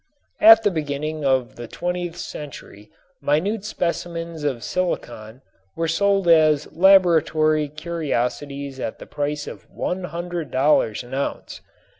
At the beginning of the twentieth century minute specimens of silicon were sold as laboratory curiosities at the price of $100 an ounce.